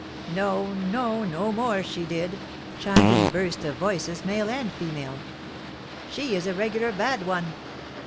"No, no! no more she did," chimed in a burst of voices, male and female. "She is a regular bad one!"